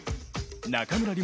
中村輪